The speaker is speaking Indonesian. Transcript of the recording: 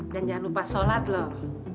dan jangan lupa sholat loh